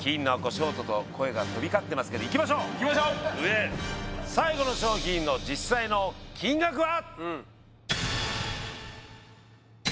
ショートと声が飛び交ってますけどいきましょういきましょう最後の商品の実際の金額は？